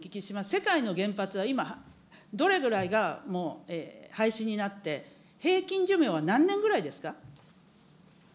世界の原発は今、どれぐらいがもう廃止になって、平均寿命は何年ぐらいですか。